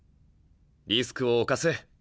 リスクを冒せ。